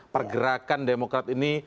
pergerakan demokrat ini